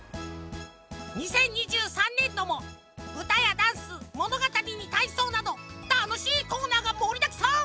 ２０２３ねんどもうたやダンスものがたりにたいそうなどたのしいコーナーがもりだくさん！